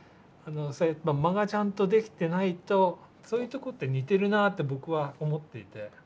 間がちゃんとできてないとそういうとこって似てるなって僕は思っていて。